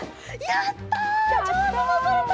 やった！